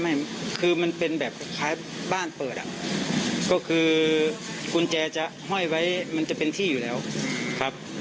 ไม่คือมันเป็นแบบคล้ายบ้านเปิดอ่ะก็คือกุญแจจะห้อยไว้มันจะเป็นที่อยู่แล้วครับ